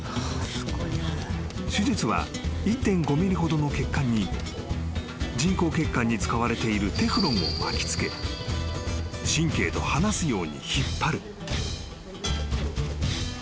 ［手術は１．５ｍｍほどの血管に人工血管に使われているテフロンを巻き付け神経と離すように引っ張る］